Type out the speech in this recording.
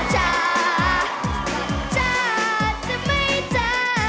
จ้าจ้าจะไม่เจอ